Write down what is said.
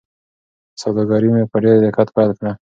سوداګري مې په ډېر دقت پیل کړه.